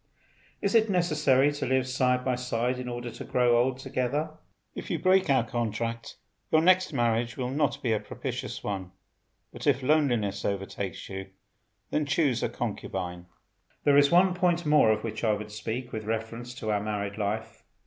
Is it necessary to live side by side in order to grow old together? If you break our contract your next marriage will not be a propitious one; but if loneliness overtakes you then choose a concubine. There is one point more of which I would speak, with reference to our married life.